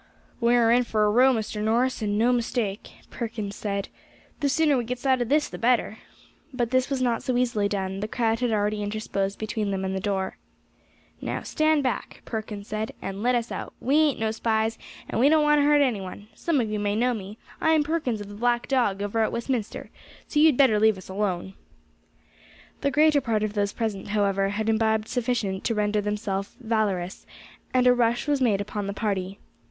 "We are in for a row, Mr. Norris, and no mistake," Perkins said; "the sooner we gets out of this the better." But this was not so easily done; the crowd had already interposed between them and the door. "Now stand back," Perkins said, "and let us out. We ain't no spies, and we don't want to hurt any one. Some of you may know me: I am Perkins of the Black Dog, over at Westminster, so you had best leave us alone." The greater part of those present, however, had imbibed sufficient to render them valorous, and a rush was made upon the party.